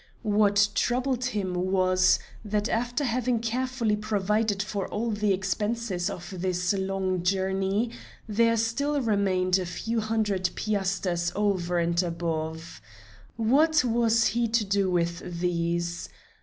What troubled him was, that after having carefully provided for all the expenses of this long journey there still remained a few hundred piasters over and above. What was he to do with these?